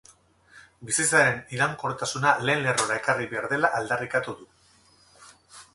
Bizitzaren iraunkortasuna lehen lerrora ekarri behar dela aldarrikatu du.